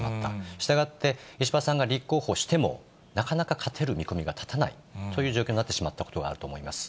従って、石破さんが立候補しても、なかなか勝てる見込みが立たないという状況になってしまったことがあると思います。